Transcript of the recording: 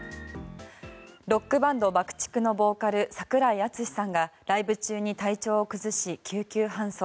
ロックバンドＢＵＣＫ−ＴＩＣＫのボーカル、櫻井敦司さんがライブ中に体調を崩し、救急搬送。